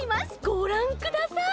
ごらんください！